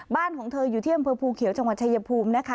บ้านของเธออยู่ที่อำเภอภูเขียวจังหวัดชายภูมินะคะ